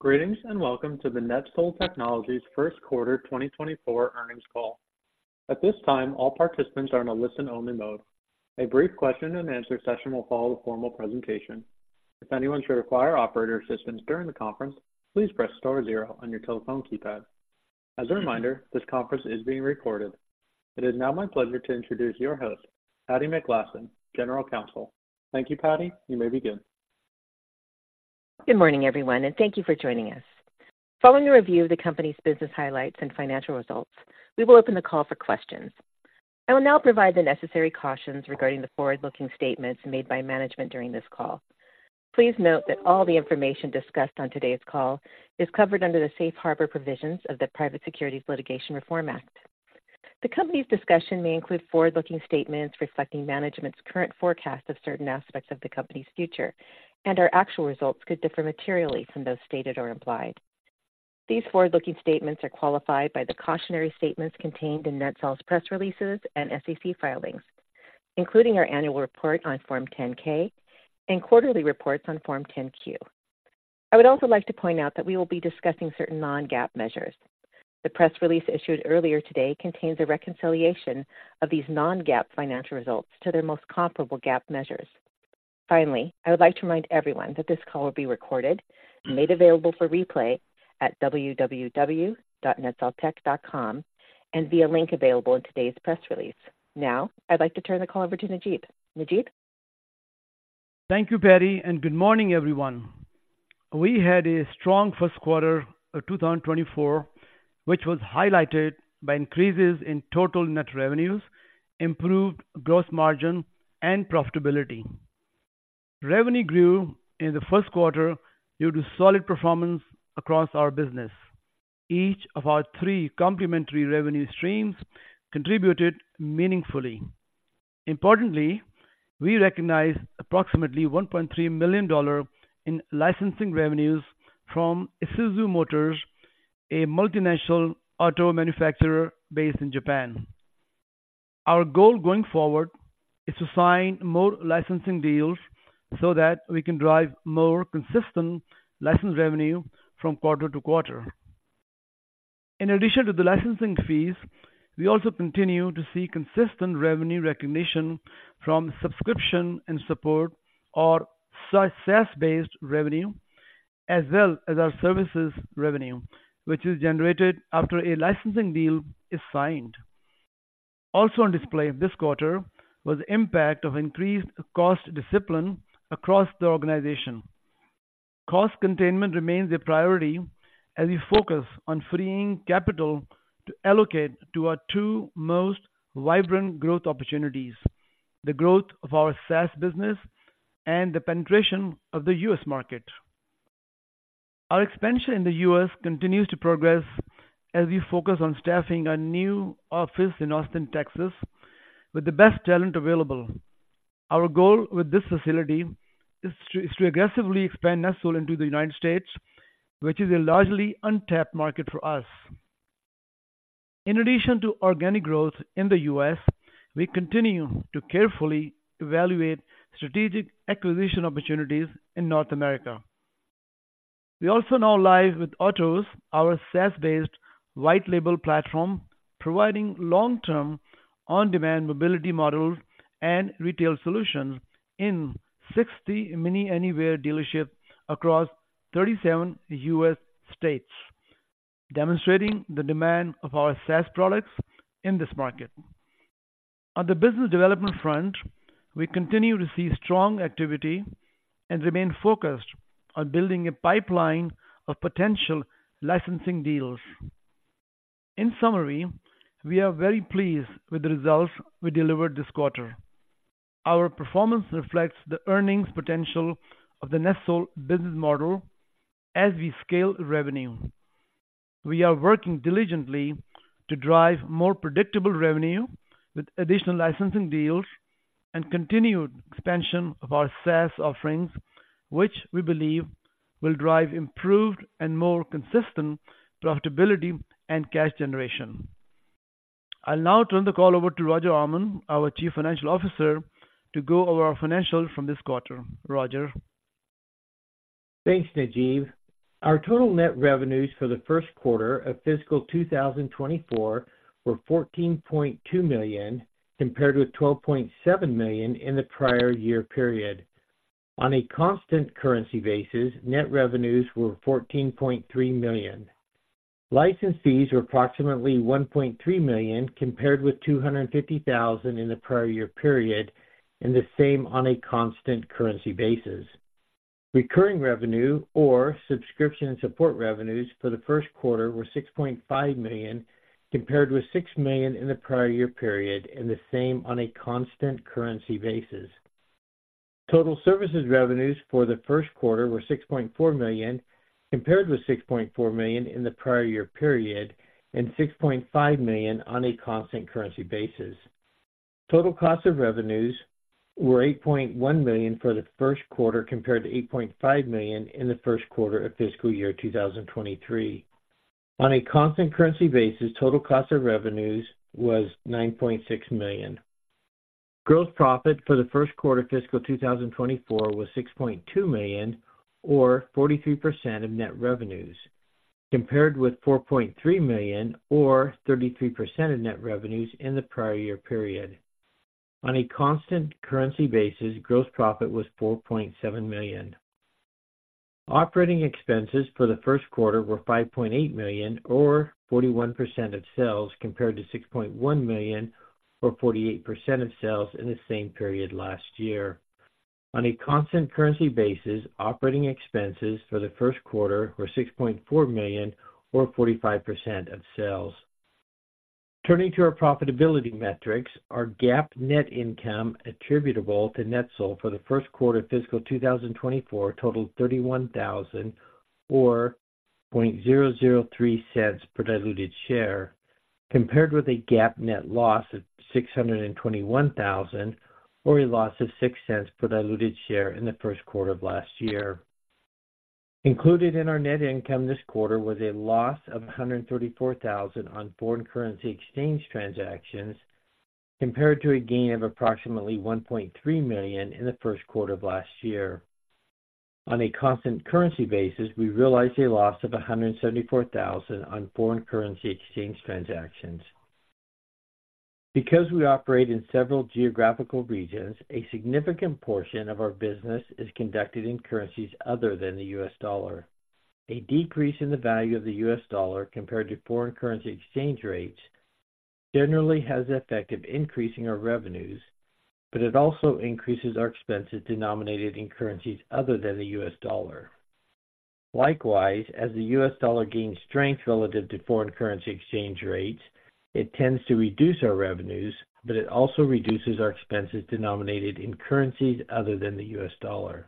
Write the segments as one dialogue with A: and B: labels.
A: Greetings, and welcome to the NETSOL Technologies Q1 2024 Earnings Call. At this time, all participants are in a listen-only mode. A brief question-and-answer session will follow the formal presentation. If anyone should require operator assistance during the conference, please press star zero on your telephone keypad. As a reminder, this conference is being recorded. It is now my pleasure to introduce your host, Patti McGlasson, General Counsel. Thank you, Patti. You may begin.
B: Good morning, everyone, and thank you for joining us. Following a review of the company's business highlights and financial results, we will open the call for questions. I will now provide the necessary cautions regarding the forward-looking statements made by management during this call. Please note that all the information discussed on today's call is covered under the safe harbor provisions of the Private Securities Litigation Reform Act. The company's discussion may include forward-looking statements reflecting management's current forecast of certain aspects of the company's future, and our actual results could differ materially from those stated or implied. These forward-looking statements are qualified by the cautionary statements contained in NETSOL's press releases and SEC filings, including our annual report on Form 10-K and quarterly reports on Form 10-Q. I would also like to point out that we will be discussing certain non-GAAP measures. The press release issued earlier today contains a reconciliation of these non-GAAP financial results to their most comparable GAAP measures. Finally, I would like to remind everyone that this call will be recorded and made available for replay at www.netsoltech.com and via link available in today's press release. Now, I'd like to turn the call over to Najeeb. Najeeb?
C: Thank you, Patti, and good morning, everyone. We had a strong Q1 of 2024, which was highlighted by increases in total net revenues, improved gross margin, and profitability. Revenue grew in the Q1 due to solid performance across our business. Each of our three complementary revenue streams contributed meaningfully. Importantly, we recognized approximately $1.3 million in licensing revenues from Isuzu Motors, a multinational auto manufacturer based in Japan. Our goal going forward is to sign more licensing deals so that we can drive more consistent license revenue from quarter to quarter. In addition to the licensing fees, we also continue to see consistent revenue recognition from subscription and support or SaaS-based revenue, as well as our services revenue, which is generated after a licensing deal is signed. Also on display this quarter was the impact of increased cost discipline across the organization. Cost containment remains a priority as we focus on freeing capital to allocate to our two most vibrant growth opportunities: the growth of our SaaS business and the penetration of the US market. Our expansion in the US continues to progress as we focus on staffing a new office in Austin, Texas, with the best talent available. Our goal with this facility is to aggressively expand NETSOL into the United States, which is a largely untapped market for us. In addition to organic growth in the US, we continue to carefully evaluate strategic acquisition opportunities in North America. We also now live with Otoz, our SaaS-based white label platform, providing long-term on-demand mobility models and retail solutions in 60 MINI Anywhere dealerships across 37 US states, demonstrating the demand of our SaaS products in this market. On the business development front, we continue to see strong activity and remain focused on building a pipeline of potential licensing deals. In summary, we are very pleased with the results we delivered this quarter. Our performance reflects the earnings potential of the NetSol business model as we scale revenue. We are working diligently to drive more predictable revenue with additional licensing deals and continued expansion of our SaaS offerings, which we believe will drive improved and more consistent profitability and cash generation. I'll now turn the call over to Roger Almond, our Chief Financial Officer, to go over our financials from this quarter. Roger?
D: Thanks, Najeeb. Our total net revenues for the Q1 of Fiscal 2024 were $14.2 million, compared with $12.7 million in the prior year period. On a constant currency basis, net revenues were $14.3 million. License fees were approximately $1.3 million, compared with $250,000 in the prior year period, and the same on a constant currency basis. Recurring revenue or subscription and support revenues for the Q1 were $6.5 million, compared with $6 million in the prior year period, and the same on a constant currency basis. Total services revenues for the Q1 were $6.4 million, compared with $6.4 million in the prior year period, and $6.5 million on a constant currency basis. Total cost of revenues were $8.1 million for the Q1, compared to $8.5 million in the Q1 of fiscal year 2023. On a constant currency basis, total cost of revenues was $9.6 million. Gross profit for the Q1 fiscal 2024 was $6.2 million, or 43% of net revenues, compared with $4.3 million or 33% of net revenues in the prior year period. On a constant currency basis, gross profit was $4.7 million. Operating expenses for the Q1 were $5.8 million, or 41% of sales, compared to $6.1 million, or 48% of sales in the same period last year. On a constant currency basis, operating expenses for the Q1 were $6.4 million, or 45% of sales. Turning to our profitability metrics, our GAAP net income attributable to NETSOL for the Q1 of fiscal 2024 totaled $31,000, or 0.003 cents per diluted share, compared with a GAAP net loss of $621,000, or a loss of 6 cents per diluted share in the Q1 of last year. Included in our net income this quarter was a loss of $134,000 on foreign currency exchange transactions, compared to a gain of approximately $1.3 million in the Q1 of last year. On a constant currency basis, we realized a loss of $174,000 on foreign currency exchange transactions. Because we operate in several geographical regions, a significant portion of our business is conducted in currencies other than the US dollar. A decrease in the value of the US dollar compared to foreign currency exchange rates generally has the effect of increasing our revenues, but it also increases our expenses denominated in currencies other than the US dollar. Likewise, as the US dollar gains strength relative to foreign currency exchange rates, it tends to reduce our revenues, but it also reduces our expenses denominated in currencies other than the US dollar.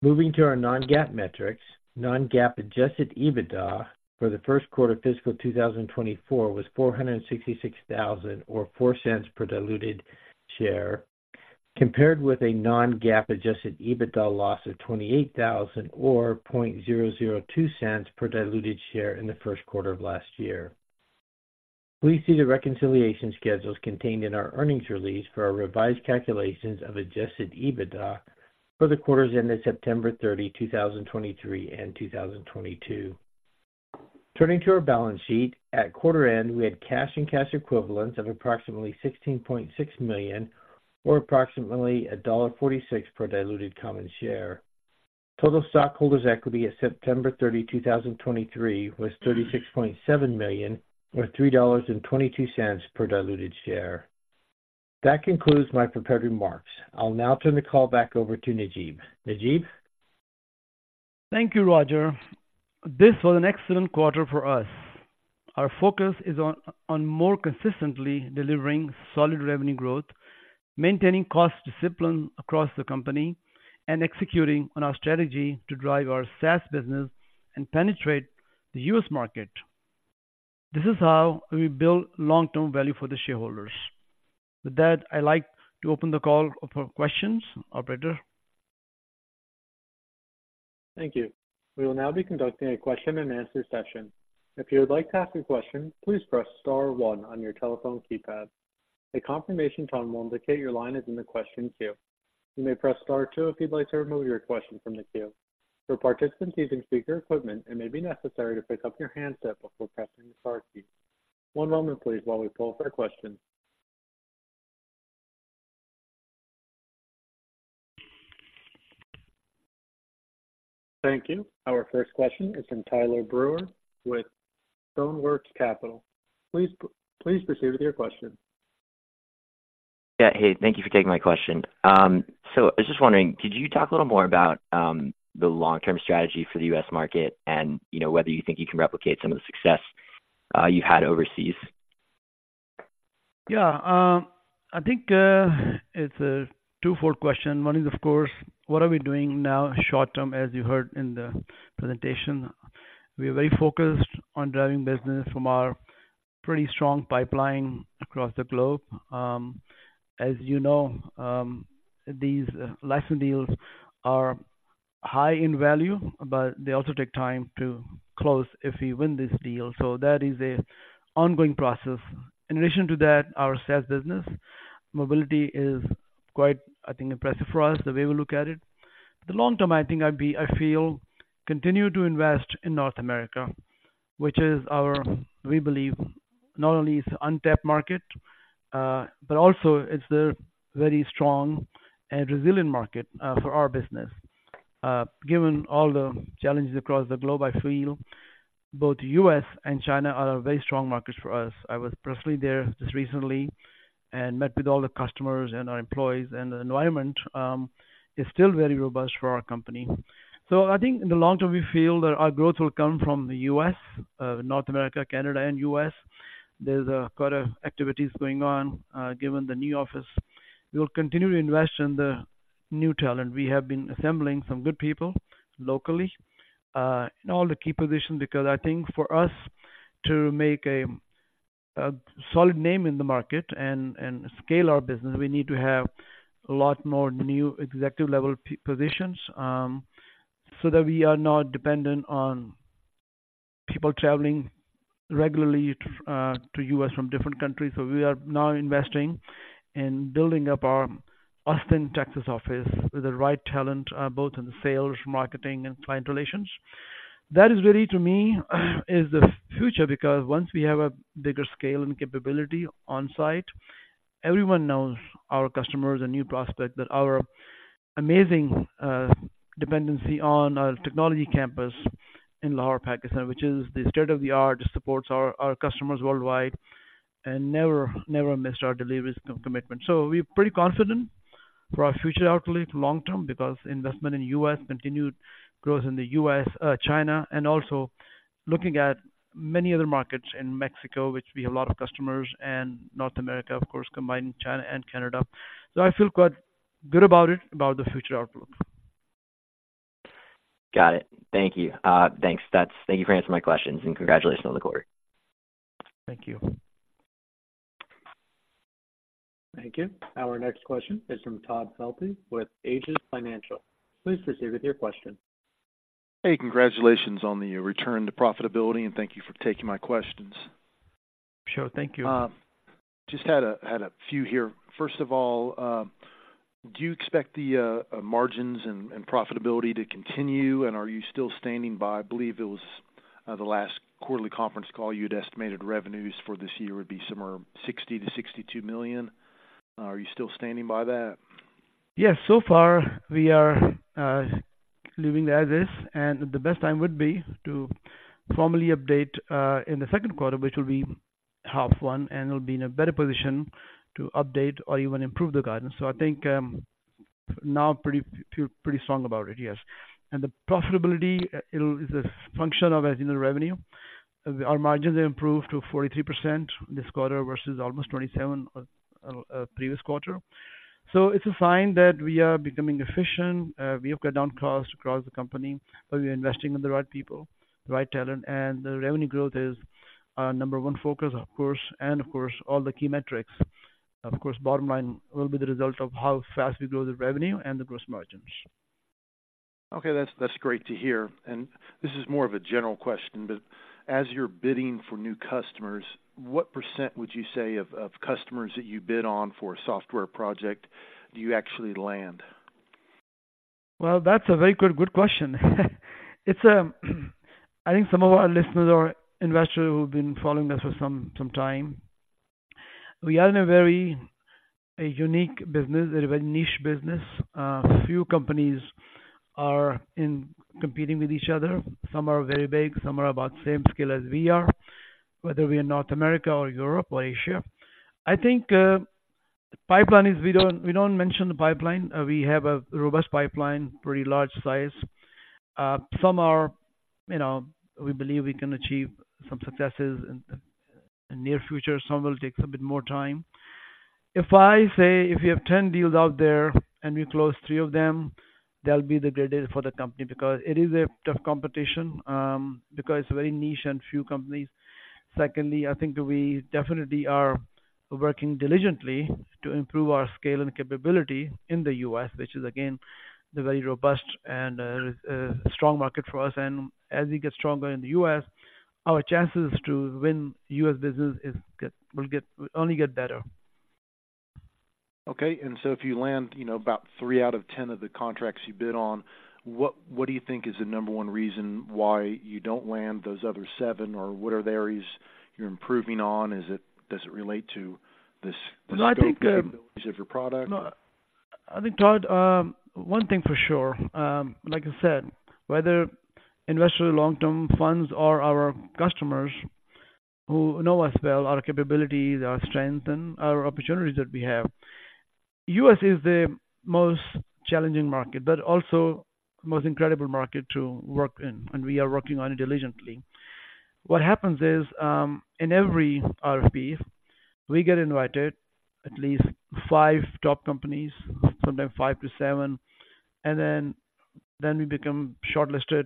D: Moving to our non-GAAP metrics. Non-GAAP adjusted EBITDA for the Q1 of fiscal 2024 was $466,000, or $0.04 per diluted share, compared with a non-GAAP adjusted EBITDA loss of $28,000 or $0.002 per diluted share in the Q1 of last year. Please see the reconciliation schedules contained in our earnings release for our revised calculations of Adjusted EBITDA for the quarters ending September 30, 2023 and 2022. Turning to our balance sheet. At quarter end, we had cash and cash equivalents of approximately $16.6 million, or approximately $1.46 per diluted common share. Total stockholders' equity at September 30, 2023, was $36.7 million or $3.22 per diluted share. That concludes my prepared remarks. I'll now turn the call back over to Najeeb. Najeeb?
C: Thank you, Roger. This was an excellent quarter for us. Our focus is on more consistently delivering solid revenue growth, maintaining cost discipline across the company, and executing on our strategy to drive our SaaS business and penetrate the US market. This is how we build long-term value for the shareholders. With that, I'd like to open the call up for questions. Operator?
A: Thank you. We will now be conducting a question-and-answer session. If you would like to ask a question, please press star one on your telephone keypad. A confirmation tone will indicate your line is in the question queue. You may press star two if you'd like to remove your question from the queue. For participants using speaker equipment, it may be necessary to pick up your handset before pressing the star key. One moment please, while we pull for questions. Thank you. Our first question is from Tyler Brewer with Stoneworks Capital. Please, please proceed with your question.
E: Yeah. Hey, thank you for taking my question. So I was just wondering, could you talk a little more about the long-term strategy for the US market and, you know, whether you think you can replicate some of the success you had overseas?
C: Yeah. I think, it's a two-fold question. One is, of course, what are we doing now short term? As you heard in the presentation, we are very focused on driving business from our pretty strong pipeline across the globe. As you know, these license deals are high in value, but they also take time to close if we win this deal. So that is an ongoing process. In addition to that, our sales business, mobility is quite, I think, impressive for us, the way we look at it. The long term, I think I'd be - I feel, continue to invest in North America, which is our. We believe not only is it untapped market, but also it's a very strong and resilient market, for our business. Given all the challenges across the globe, I feel both U.S. and China are very strong markets for us. I was personally there just recently and met with all the customers and our employees, and the environment is still very robust for our company. So I think in the long term, we feel that our growth will come from the U.S., North America, Canada and U.S. There's a lot of activities going on, given the new office. We will continue to invest in the new talent. We have been assembling some good people locally in all the key positions, because I think for us to make a solid name in the market and scale our business, we need to have a lot more new executive-level positions, so that we are not dependent on-... People traveling regularly to, to U.S. from different countries. So we are now investing in building up our Austin, Texas, office with the right talent, both in the sales, marketing, and client relations. That is really, to me, is the future, because once we have a bigger scale and capability on site, everyone knows our customers and new prospect, that our amazing, dependency on our technology campus in Lahore, Pakistan, which is the state-of-the-art, supports our, our customers worldwide and never, never missed our deliveries commitment. So we're pretty confident for our future outlook long term, because investment in U.S., continued growth in the U.S., China, and also looking at many other markets in Mexico, which we have a lot of customers, and North America, of course, combining China and Canada. So I feel quite good about it, about the future outlook.
E: Got it. Thank you. Thanks, that's. Thank you for answering my questions, and congratulations on the quarter.
C: Thank you.
A: Thank you. Our next question is from Todd Felte with Aegis Financial. Please proceed with your question.
F: Hey, congratulations on the return to profitability, and thank you for taking my questions.
C: Sure, thank you.
F: Just had a few here. First of all, do you expect the margins and profitability to continue? And are you still standing by, I believe it was the last quarterly conference call, you had estimated revenues for this year would be somewhere $60 million-$62 million. Are you still standing by that?
C: Yes. So far, we are leaving as is, and the best time would be to formally update in the Q2, which will be half one, and we'll be in a better position to update or even improve the guidance. So I think now pretty feel pretty strong about it. Yes. And the profitability, it will is a function of, as you know, revenue. Our margins have improved to 43% this quarter versus almost 27 previous quarter. So it's a sign that we are becoming efficient. We have cut down costs across the company, but we're investing in the right people, the right talent, and the revenue growth is our number one focus, of course. And of course, all the key metrics. Of course, bottom line will be the result of how fast we grow the revenue and the gross margins.
F: Okay, that's great to hear. And this is more of a general question, but as you're bidding for new customers, what % would you say of customers that you bid on for a software project, do you actually land?
C: Well, that's a very good question. It's, I think some of our listeners or investors who've been following us for some time. We are in a very unique business, a very niche business. Few companies are in competing with each other. Some are very big, some are about the same scale as we are, whether we're in North America or Europe or Asia. I think, pipeline is we don't, we don't mention the pipeline. We have a robust pipeline, pretty large size. Some are, you know, we believe we can achieve some successes in near future. Some will take a bit more time. If I say, if you have 10 deals out there and we close 3 of them, that'll be the great day for the company because it is a tough competition, because it's very niche and few companies. Secondly, I think we definitely are working diligently to improve our scale and capability in the U.S., which is again the very robust and strong market for us. And as we get stronger in the U.S., our chances to win U.S. business will get, will only get better.
F: Okay. So if you land, you know, about 3 out of 10 of the contracts you bid on, what do you think is the number one reason why you don't land those other 7? Or what are the areas you're improving on? Is it—does it relate to this?
C: No, I think,
F: Capabilities of your product?
C: I think, Todd, one thing for sure, like I said, whether investor long-term funds or our customers who know us well, our capabilities, our strengths, and our opportunities that we have, U.S. is the most challenging market, but also the most incredible market to work in, and we are working on it diligently. What happens is, in every RFP, we get invited at least five top companies, sometimes five to seven, and then, then we become shortlisted.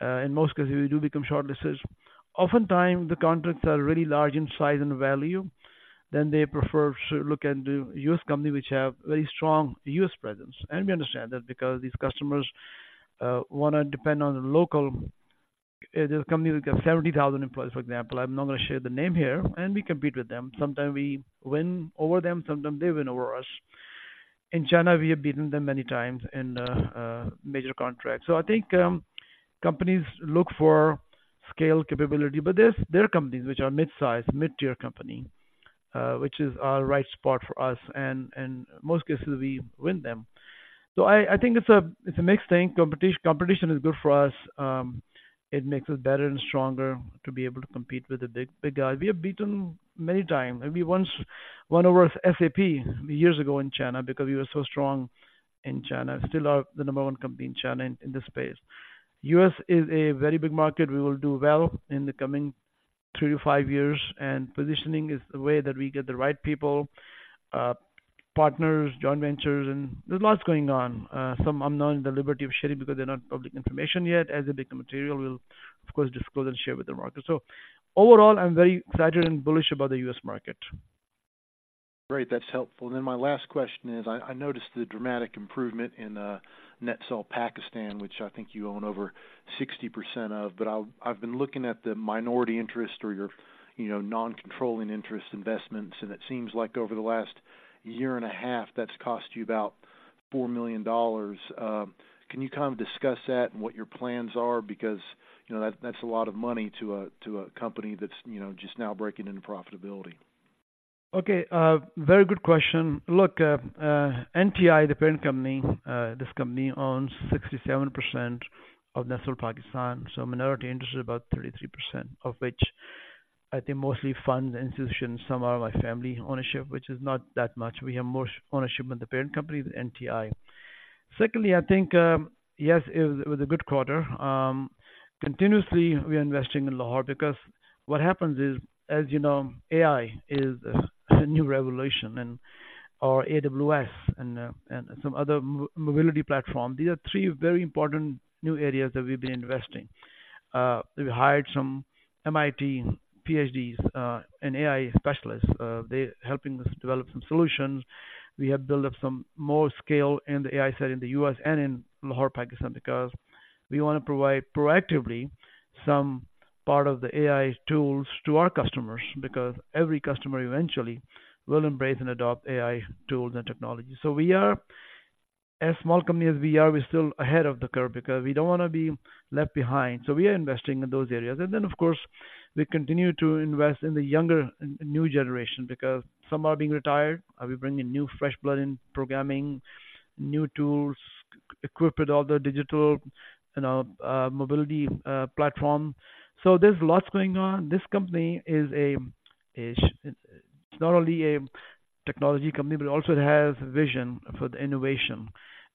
C: In most cases, we do become shortlisted. Oftentimes, the contracts are really large in size and value. Then they prefer to look into U.S. company, which have very strong U.S. presence. And we understand that because these customers want to depend on the local... There's a company that got 70,000 employees, for example. I'm not going to share the name here, and we compete with them. Sometimes we win over them, sometimes they win over us. In China, we have beaten them many times in the major contracts. So I think companies look for scale capability, but there are companies which are mid-sized, mid-tier company which is our right spot for us, and in most cases, we win them. So I think it's a mixed thing. Competition is good for us. It makes us better and stronger to be able to compete with the big, big guys. We have beaten many times, and we once won over SAP years ago in China because we were so strong in China, still are the number one company in China in this space. U.S. is a very big market. We will do well in the coming three, five years, and positioning is the way that we get the right people, partners, joint ventures, and there's lots going on. Some I'm not in the liberty of sharing because they're not public information yet. As they become material, we'll, of course, disclose and share with the market. So overall, I'm very excited and bullish about the U.S. market. ...
F: Great, that's helpful. Then my last question is, I noticed the dramatic improvement in NetSol Pakistan, which I think you own over 60% of, but I've been looking at the minority interest or your, you know, non-controlling interest investments, and it seems like over the last year and a half, that's cost you about $4 million. Can you kind of discuss that and what your plans are? Because, you know, that, that's a lot of money to a company that's, you know, just now breaking into profitability.
C: Okay, very good question. Look, NTI, the parent company, this company owns 67% of NetSol Pakistan, so minority interest is about 33%, of which I think mostly funds institutions. Some are my family ownership, which is not that much. We have more ownership in the parent company, the NTI. Secondly, I think, yes, it was a good quarter. Continuously, we are investing in Lahore because what happens is, as you know, AI is a new revolution, and or AWS and, and some other mobility platform. These are three very important new areas that we've been investing. We hired some MIT PhDs, and AI specialists. They're helping us develop some solutions. We have built up some more scale in the AI side in the U.S. and in Lahore, Pakistan, because we want to provide proactively some part of the AI tools to our customers, because every customer eventually will embrace and adopt AI tools and technology. So we are, as small company as we are, we're still ahead of the curve because we don't want to be left behind, so we are investing in those areas. And then, of course, we continue to invest in the younger, new generation because some are being retired. We bring in new fresh blood in programming, new tools, equipped with all the digital and mobility platform. So there's lots going on. This company is, it's not only a technology company, but it also has vision for the innovation.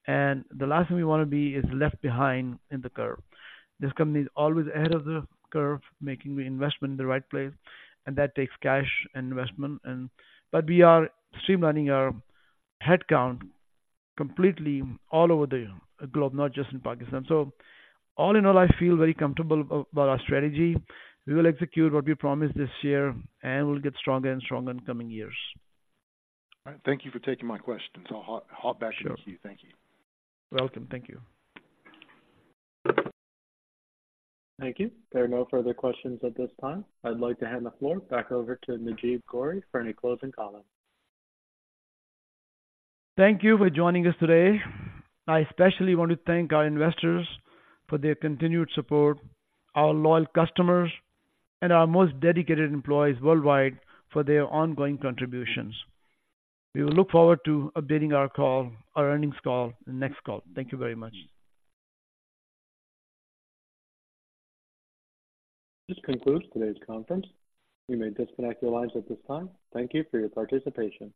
C: The last thing we want to be is left behind in the curve. This company is always ahead of the curve, making the investment in the right place, and that takes cash and investment and... But we are streamlining our headcount completely all over the globe, not just in Pakistan. So all in all, I feel very comfortable about our strategy. We will execute what we promised this year, and we'll get stronger and stronger in coming years.
F: All right. Thank you for taking my questions. I'll hop, hop back to you. Thank you.
C: Welcome. Thank you.
A: Thank you. There are no further questions at this time. I'd like to hand the floor back over to Najeeb Ghauri for any closing comments.
C: Thank you for joining us today. I especially want to thank our investors for their continued support, our loyal customers, and our most dedicated employees worldwide for their ongoing contributions. We will look forward to updating our call, our earnings call, in the next call. Thank you very much.
A: This concludes today's conference. You may disconnect your lines at this time. Thank you for your participation.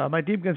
D: Najeeb Ghauri-